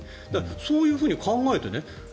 そういうふうに考えてね。